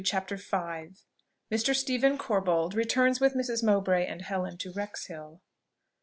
CHAPTER V. MR. STEPHEN CORBOLD RETURNS WITH MRS. MOWBRAY AND HELEN TO WREXHILL.